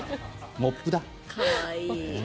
モップだ。